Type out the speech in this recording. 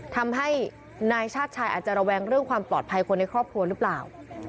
ทำให้นายชาติชายอาจจะระแวงเรื่องความปลอดภัยคนในครอบครัวหรือเปล่า